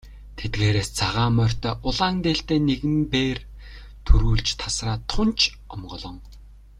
Тэдгээрээс цагаан морьтой улаан дээлтэй нэгэн бээр түрүүлж тасраад тун ч омголон.